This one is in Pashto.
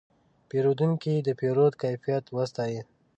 پیرودونکی د پیرود کیفیت وستایه.